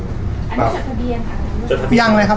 มีจดทะเดียงหรือยังละละครับ